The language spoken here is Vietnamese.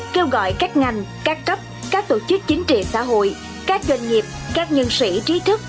kêu gọi các ngành các cấp các tổ chức chính trị xã hội các doanh nghiệp các nhân sĩ trí thức